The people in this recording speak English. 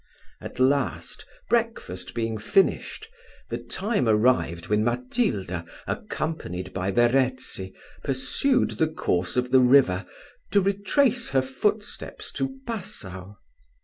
At last, breakfast being finished, the time arrived when Matilda, accompanied by Verezzi, pursued the course of the river, to retrace her footsteps to Passau.